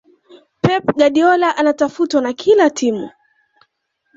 pep guardiola anatafutwa na kila timu